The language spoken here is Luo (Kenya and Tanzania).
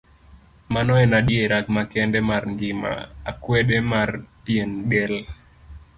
Mano en adiera makende mar ng'ima, akwede mar pien del.